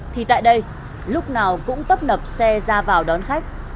thì tại đây lúc nào cũng tấp nập xe ra vào đón khách